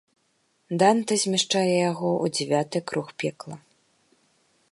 Дантэ змяшчае яго ў дзявяты круг пекла.